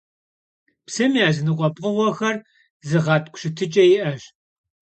Psım yazınıkhue pkhığuexer zığetk'u şıtıç'e yi'eş.